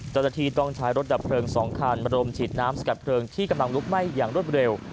เจ้าหน้าที่ต้องใช้รถดับเพลิง๒คันมาดมฉีดน้ำสกัดเพลิงที่กำลังลุกไหม้อย่างรวดเร็ว